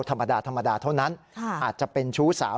ธรรมดาเท่านั้นอาจจะเป็นชู้สาว